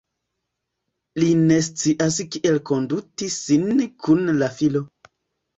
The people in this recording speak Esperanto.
Li ne scias kiel konduti sin kun la filo.